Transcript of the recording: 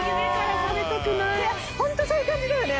ホントそういう感じだよね。